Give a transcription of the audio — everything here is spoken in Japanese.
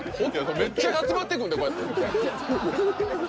めっちゃ集まってくんでこうやって。